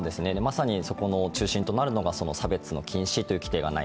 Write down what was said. そこの中心となるのが差別禁止の条例がない。